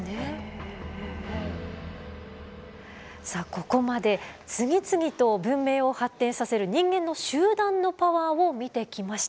さあここまで次々と文明を発展させる人間の集団のパワーを見てきました。